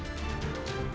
ini juga sudah terjadi